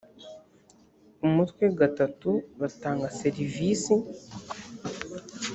umutwe gatatu abatanga serivisi